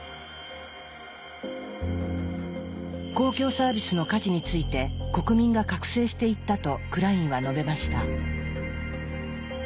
公共サービスの価値について国民が覚醒していったとクラインは述べました。